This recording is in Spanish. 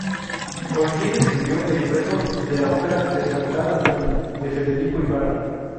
Olguín escribió el libreto de la ópera "Despertar al sueño" de Federico Ibarra.